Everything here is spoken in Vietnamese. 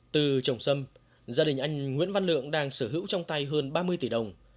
từ trồng sâm gia đình anh nguyễn văn lượng đang sở hữu trong tay hơn ba mươi tỷ đồng